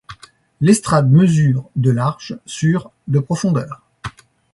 L'estrade mesure de large sur de profondeur.